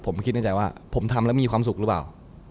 ผมคิดในใจว่าผมทำแล้วมีความสุขหรือเปล่า